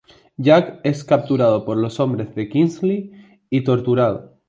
Jack es capturado por los hombres de Kingsley y torturado.